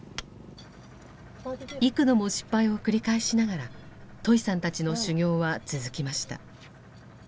幾度も失敗を繰り返しながらトイさんたちの修業は続きました。